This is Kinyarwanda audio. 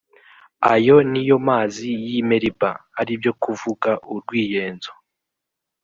ayo ni yo mazi y’i meriba, ari byo kuvuga ’urwiyenzo’.